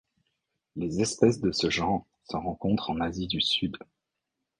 Les espèces de ce genre se rencontrent en Asie du Sud.